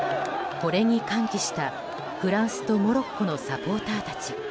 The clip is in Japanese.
これに歓喜した、フランスとモロッコのサポーターたち。